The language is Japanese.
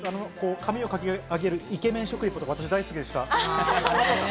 髪をかきあげる、イケメン食リポが大好きでした。